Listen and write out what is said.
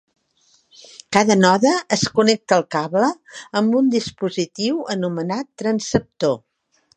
Cada node es connecta al cable amb un dispositiu anomenat transceptor.